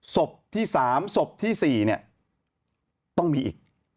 ศพที่สามศพที่สี่ต้องมีอีก